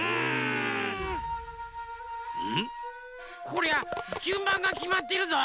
こりゃじゅんばんがきまってるぞ。